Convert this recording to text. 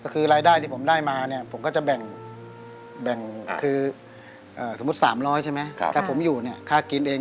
คือรายได้ที่ผมได้มาเนี่ยผมก็จะแบ่ง